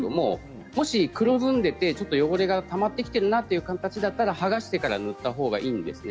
もし、黒ずんでいて汚れがたまってきているなということであれば剥がしてから塗ったほうがいいです。